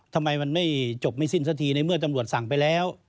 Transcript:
ทำไมมันไม่จบไม่สิ้นสักทีในเมื่อตำรวจสั่งไปแล้ว